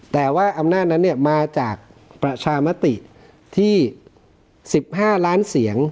แต่ว่าอำนาจนั้นเนี่ยมาจากประชามติที่สิบห้าร้านเสียง